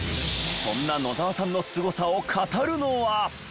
そんな野沢さんのスゴさを語るのは。